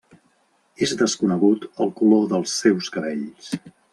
És desconegut el color dels seus cabells.